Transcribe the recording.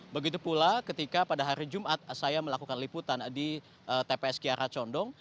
begitu pula ketika pada hari jumat saya melakukan liputan di tps kiara condong